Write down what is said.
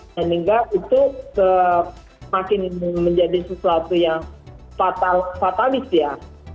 dan hingga itu semakin menjadi sesuatu yang fatalis ya